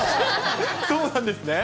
そうなんですね。